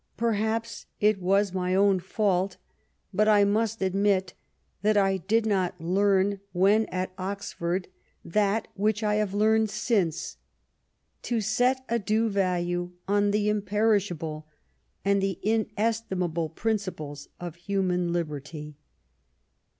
Perhaps it was my own fault, but I must admit that I did not learn when at Oxford that which I have learned since, to set a due value on the imperishable and the inestimable principles of human liberty.